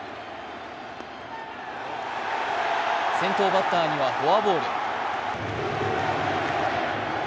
先頭バッターにはフォアボール。